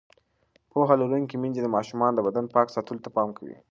پوهه لرونکې میندې د ماشومانو د بدن پاک ساتلو ته پام کوي.